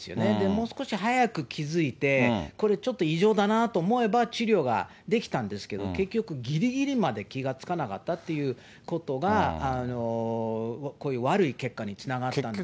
もう少し早く気付いて、これ、ちょっと異常だなと思えば治療ができたんですけど、結局ぎりぎりまで気が付かなかったっていうことが、こういう悪い結果につながったんですね。